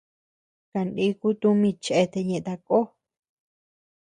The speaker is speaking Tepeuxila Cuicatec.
Kaniku tumi cheatea ñeʼe takó.